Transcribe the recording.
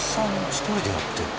一人でやってるの？